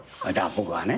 僕はね。